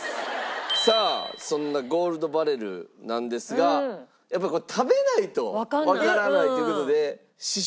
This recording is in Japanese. さあそんなゴールドバレルなんですがやっぱり食べないとわからないっていう事で。